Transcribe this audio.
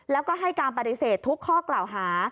แล้วก็ให้การปฏิเสธทุกข้อกล่าวหา